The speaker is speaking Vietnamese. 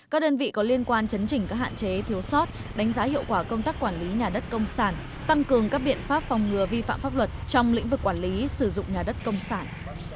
các đơn vị có liên quan chấn chỉnh các hạn chế thiếu sót đánh giá hiệu quả công tác quản lý nhà đất công sản tăng cường các biện pháp phòng ngừa vi phạm pháp luật trong lĩnh vực quản lý sử dụng nhà đất công sản